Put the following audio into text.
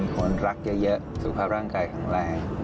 คนรักเยอะสุขภาพร่างกายแข็งแรง